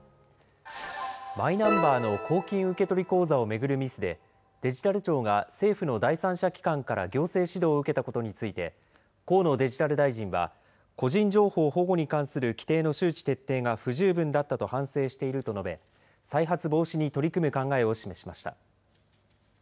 マイナンバーの公金受取口座を巡るミスで、デジタル庁が政府の第三者機関から行政指導を受けたことについて、河野デジタル大臣は、個人情報保護に関する規定の周知徹底が不十分だったと反省していると述べ、再発防止に取り組む考えを示しました。